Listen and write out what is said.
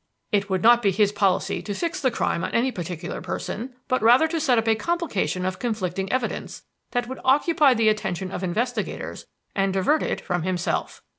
It would not be his policy to fix the crime on any particular person, but rather to set up a complication of conflicting evidence which would occupy the attention of investigators and divert it from himself.